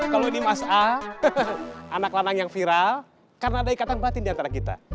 kalau ini mas a anak lanang yang viral karena ada ikatan batin diantara kita